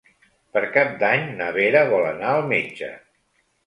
Per Cap d'Any na Vera vol anar al metge.